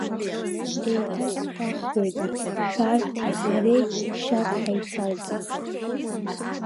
Еиҭасҳәахуеит, шәарҭи ҳареи шьак ҳаицалҵит.